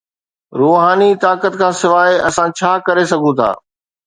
روحاني طاقت کان سواء، اسان ڇا ڪري سگهون ٿا؟